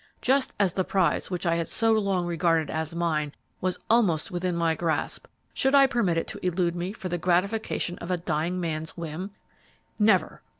Just as the prize which I had so long regarded as mine was almost within my grasp, should I permit it to elude me for the gratification of a dying man's whim? Never!